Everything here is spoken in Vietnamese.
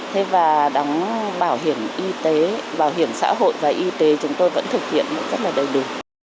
thế và đóng bảo hiểm y tế bảo hiểm xã hội và y tế chúng tôi vẫn thực hiện rất là đầy đủ